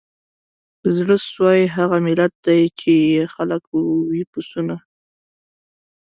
د زړه سوي هغه ملت دی چي یې خلک وي پسونه